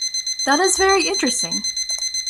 That is very interesting.